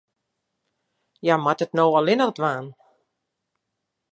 Hja moat it no allinnich dwaan.